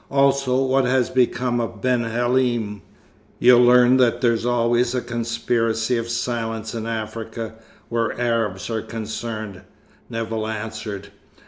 "Also, what has become of Ben Halim." "You'll learn that there's always a conspiracy of silence in Africa, where Arabs are concerned," Nevill answered.